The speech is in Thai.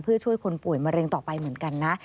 เพื่อช่วยคนป่วยมะเร็งต่อไปเหมือนกันนะ